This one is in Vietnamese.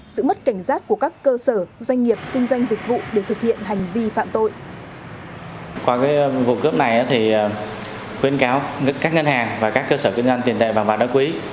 sự mất cảnh giác của các cơ sở doanh nghiệp kinh doanh dịch vụ